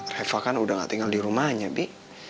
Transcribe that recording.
reva kan udah gak tinggal di rumahnya bi